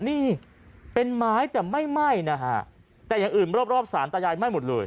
นี่เป็นไม้แต่ไม่ไหม้นะฮะแต่อย่างอื่นรอบรอบสารตายายไหม้หมดเลย